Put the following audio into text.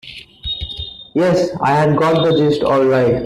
Yes, I had got the gist all right.